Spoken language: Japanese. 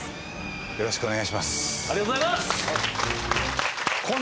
よろしくお願いします